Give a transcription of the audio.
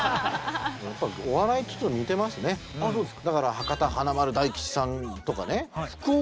あそうですか？